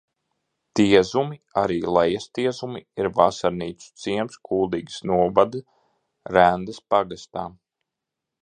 Tiezumi, arī Lejastiezumi, ir vasarnīcu ciems Kuldīgas novada Rendas pagastā.